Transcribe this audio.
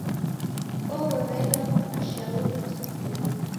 Kaghorelwa mashauri kusikire